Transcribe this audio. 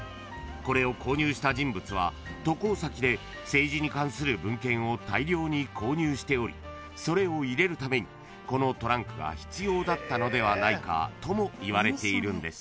これを購入した人物は渡航先で政治に関する文献を大量に購入しておりそれを入れるためにこのトランクが必要だったのではないかともいわれているんです］